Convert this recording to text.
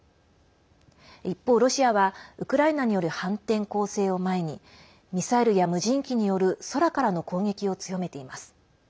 一方、ロシアはウクライナによる反転攻勢を前にミサイルや無人機による空からの攻撃を強めています。